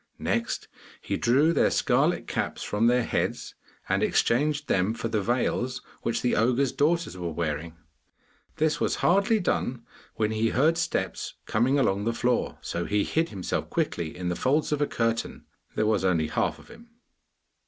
Next he drew their scarlet caps from their heads and exchanged them for the veils which the ogre's daughters were wearing. This was hardly done when he heard steps coming along the floor, so he hid himself quickly in the folds of a curtain. There was only half of him!